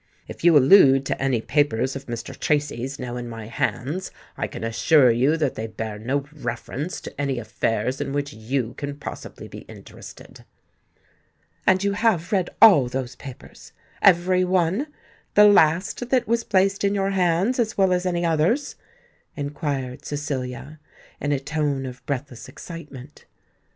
"If you allude to any papers of Mr. Tracy's now in my hands, I can assure you that they bear no reference to any affairs in which you can possibly be interested." "And you have read all those papers—every one—the last that was placed in your hands, as well as any others?" inquired Cecilia, in a tone of breathless excitement.